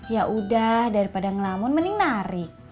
yaudah daripada ngelamun mending narik